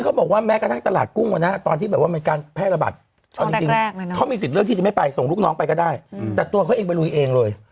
เขาบอกว่าแม้กระทั่งตลาดกุ้งตอนที่แบบว่ามันการแพร่ระบาดเอาจริงเขามีสิทธิ์เลือกที่จะไม่ไปส่งลูกน้องไปก็ได้แต่ตัวเขาเองไปลุยเองเลย